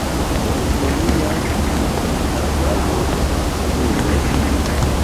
Ĉu neniam la falo finiĝos?